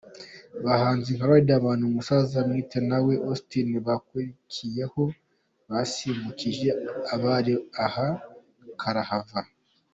Abahanzi nka Riderman, umusaza Mwitenawe Augustin bakurikiyeho basimbukisha abari aha karahava.